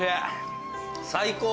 最高！